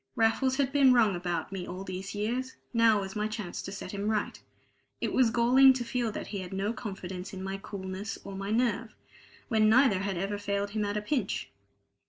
Raffles had been wrong about me all these years; now was my chance to set him right. It was galling to feel that he had no confidence in my coolness or my nerve, when neither had ever failed him at a pinch.